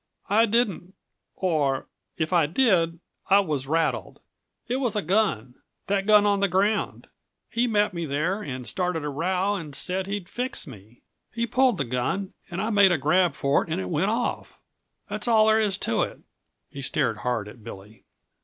"I didn't or, if I did, I was rattled. It was a gun that gun on the ground. He met me there and started a row and said he'd fix me. He pulled his gun, and I made a grab for it and it went off. That's all there is to it." He stared hard at Billy.